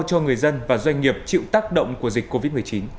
cho người dân và doanh nghiệp chịu tác động của dịch covid một mươi chín